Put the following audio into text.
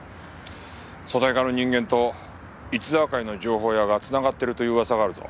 組対課の人間と一澤会の情報屋がつながってるという噂があるぞ。